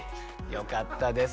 よかったです。